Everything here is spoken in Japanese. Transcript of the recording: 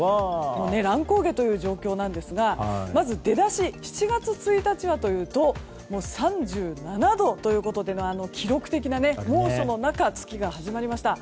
乱高下という状況ですがまず出だし、７月１日はというと３７度ということで記録的な猛暑の中月が始まりました。